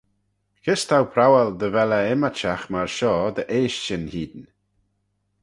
Kys t'ou prowal dy vel eh ymmyrçhagh myr shoh dy 'eysht shin hene?